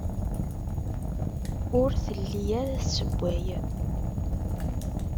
Ur telli ara tessewway.